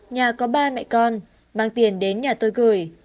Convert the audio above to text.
nhà có ba mẹ con mang tiền đến nhà tôi gửi